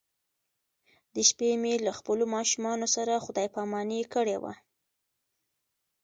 د شپې مې له خپلو ماشومانو سره خدای پاماني کړې وه.